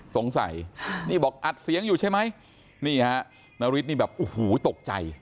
สงสัยนี่บอกอัดเสียงอยู่ใช่ไหมนี่ฮะนาริสนี่แบบโอ้โหตกใจ